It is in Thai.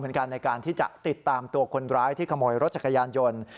ในการติดตามคนร้ายรสจักรยานยนต์